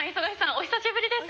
お久しぶりです。